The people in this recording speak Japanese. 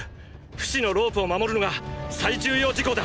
フシのロープを守るのが最重要事項だ！